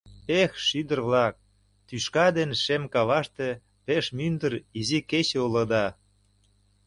Эх, шӱдыр-влак, тӱшка ден шем каваште пеш мӱндыр изи кече улыда.